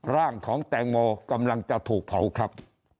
ร่างของแตงโมกำลังจะถูกเผาครับ